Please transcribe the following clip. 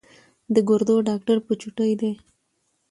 د ګردو ډاکټر په چوټۍ دی